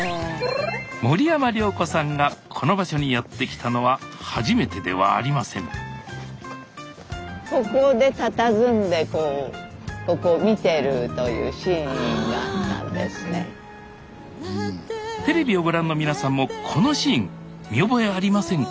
森山良子さんがこの場所にやって来たのは初めてではありませんテレビをご覧の皆さんもこのシーン見覚えありませんか？